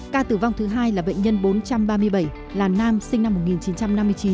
ca tử vong thứ hai là bệnh nhân bốn trăm ba mươi bảy là nam sinh năm một nghìn chín trăm năm mươi chín